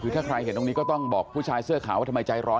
คือถ้าใครเห็นตรงนี้ก็ต้องบอกผู้ชายเสื้อขาวว่าทำไมใจร้อน